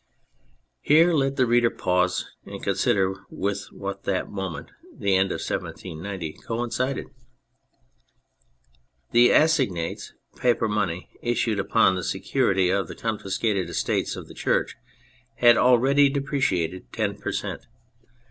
Here let the reader pause and consider with what that moment — ^the end of 1790 — coincided. The assignats, paper money issued upon the security of the confiscated estates of the Church, had already depreciated 10 per cent.